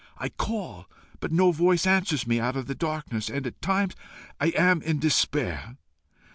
I call, but no voice answers me out of the darkness, and at times I am in despair.